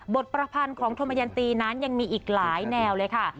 ประพันธ์ของธมยันตีนั้นยังมีอีกหลายแนวเลยค่ะ